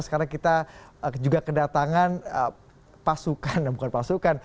sekarang kita juga kedatangan pasukan bukan pasukan